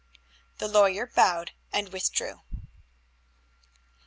The lawyer bowed and withdrew.